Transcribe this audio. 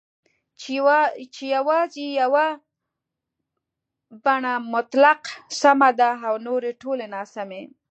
چې یوازې یوه بڼه مطلق سمه ده او نورې ټولې ناسمي